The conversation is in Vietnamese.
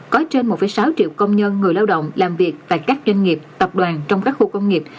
có trên một sáu triệu công nhân người lao động làm việc tại các doanh nghiệp tập đoàn trong các khu công nghiệp